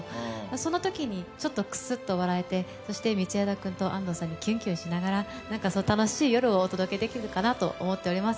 そのときにちょっとくすっと笑えてそして道枝君と安藤さんにキュンキュンしながらなんか楽しい夜をお届けできるかなと思っております。